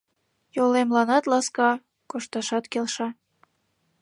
Йолемланат ласка, кошташат келша